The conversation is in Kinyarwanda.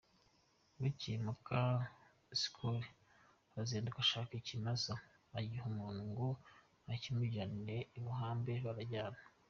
Bukeye muka Syoli arazinduka ashaka ikimasa, agiha umuntu ngo akimujyanire i Buhambe barajyana.